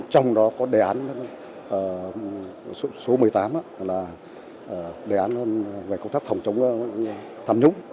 trong đó có đề án số một mươi tám là đề án về công tác phòng chống tham nhũng